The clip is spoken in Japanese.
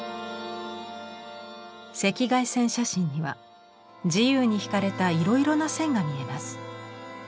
赤外線写真には自由に引かれたいろいろな線が見えます。